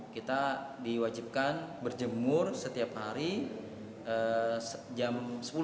kita diwajibkan berjemur setiap hari jam sepuluh